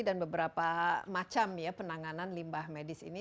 dan beberapa macam ya penanganan limbah medis ini